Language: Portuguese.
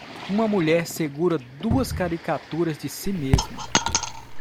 Uma mulher segura duas caricaturas de si mesma.